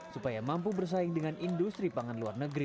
supaya mampu bersaing dengan industri pangan luar negeri